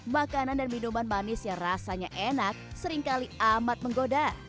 makanan dan minuman manis yang rasanya enak seringkali amat menggoda